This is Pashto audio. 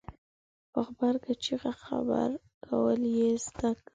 په غبرګه چېغه خبره کول یې زده وو.